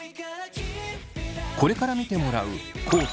これから見てもらう地